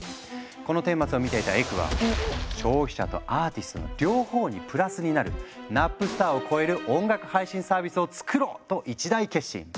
この顛末を見ていたエクは「消費者とアーティストの両方にプラスになるナップスターを超える音楽配信サービスを作ろう！」と一大決心。